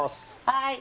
はい。